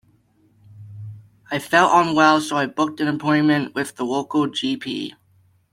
I felt unwell so I booked an appointment with the local G P.